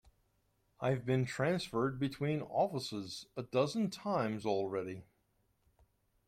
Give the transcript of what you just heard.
I've been transferred between offices a dozen times already.